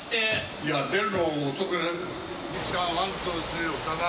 いや、出るの遅くない？